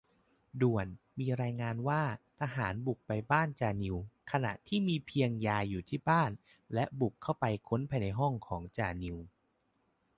ด่วน ! มีรายงานว่า ทหารบุกไปบ้านจ่านิว ขณะที่มีเพียงยายอยู่ที่บ้าน และบุกเข้าไปค้นภายในห้องของจ่านิว